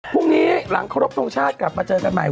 พรุ่งนี้หลังครบทรงชาติกลับมาเจอกันใหม่